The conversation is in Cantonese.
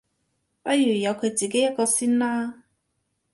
不如由佢自己一個先啦